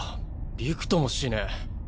びくともしねぇ。